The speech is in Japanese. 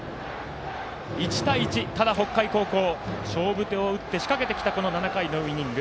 １対１、ただ北海高校勝負手を打って仕掛けてきたこの７回のイニング。